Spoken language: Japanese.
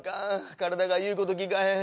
体が言うこと聞かへん。